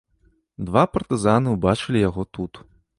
Два партызаны ўбачылі яго тут.